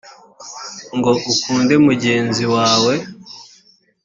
ngo ukunde mugenzi wawe